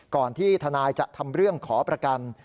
ที่ทนายจะทำเรื่องขอประกัน